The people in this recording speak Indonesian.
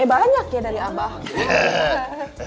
lebih banyak ya dari abah